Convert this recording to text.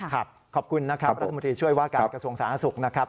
ขอบคุณนะครับรัฐมนตรีช่วยว่าการกระทรวงสาธารณสุขนะครับ